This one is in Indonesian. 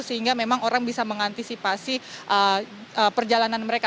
sehingga memang orang bisa mengantisipasi perjalanan mereka